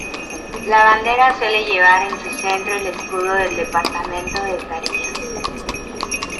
La bandera suele llevar en su centro el escudo del departamento de Tarija.